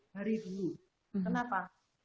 tiga hari dulu kenapa